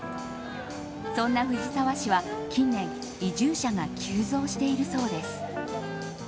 そんな藤沢市は、近年移住者が急増しているそうです。